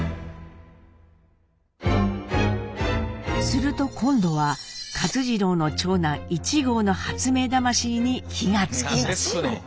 すると今度は勝次郎の長男壹号の発明魂に火が付きます！